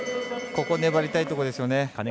ここ、粘りたいところですよね。